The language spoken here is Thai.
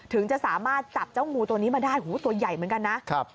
ถึงจะสามารถจับเจ้างูตัวนี้มาได้หูตัวใหญ่เหมือนกันนะครับ